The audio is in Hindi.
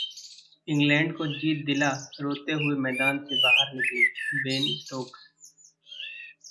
इंग्लैंड को जीत दिला रोते हुए मैदान से बाहर निकले बेन स्टोक्स